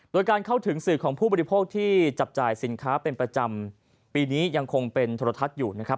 โดยการเข้าถึงสื่อของผู้บริโภคที่จับจ่ายสินค้าเป็นประจำปีนี้ยังคงเป็นโทรทัศน์อยู่นะครับ